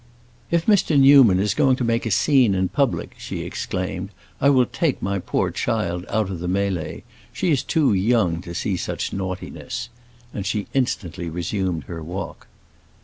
"If Mr. Newman is going to make a scene in public," she exclaimed, "I will take my poor child out of the mêlée. She is too young to see such naughtiness!" and she instantly resumed her walk.